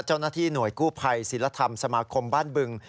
เจ้าหน้าที่หน่วยกู้ภัยศิลธรรมสมาคมบ้านบึง